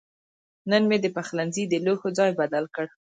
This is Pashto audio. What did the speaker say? نن مې د پخلنځي د لوښو ځای بدل کړ.